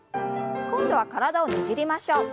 今度は体をねじりましょう。